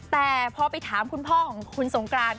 แต่พอไปถามคุณพ่อของคุณสงกราน